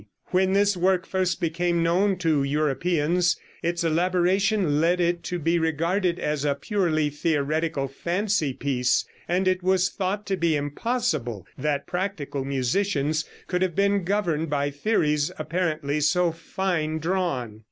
When this work first became known to Europeans, its elaboration led it to be regarded as a purely theoretical fancy piece, and it was thought to be impossible that practical musicians could have been governed by theories apparently so fine drawn.